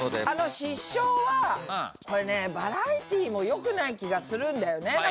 あの失笑はこれねバラエティーも良くない気がするんだよね。